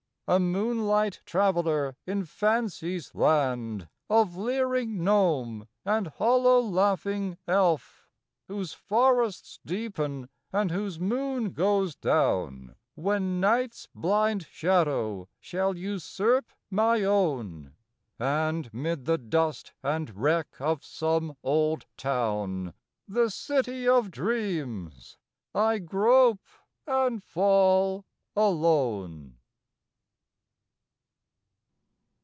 A moonlight traveller in Fancy's land Of leering gnome and hollow laughing elf; Whose forests deepen and whose moon goes down, When Night's blind shadow shall usurp my own; And, mid the dust and wreck of some old town, The City of Dreams, I grope and fall alone.